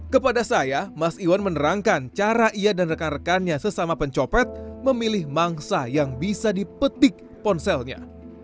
kepada saya mas iwan menerangkan cara ia dan rekan rekannya sesama pencopet memilih mangsa yang bisa dipetik ponselnya